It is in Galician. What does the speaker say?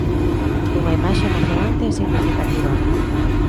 Unha imaxe emocionante e significativa.